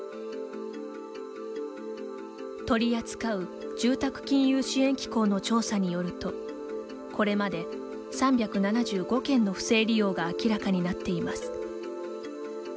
取り扱う住宅金融支援機構の調査によるとこれまで、３７５件の不正利用が明らかになっています。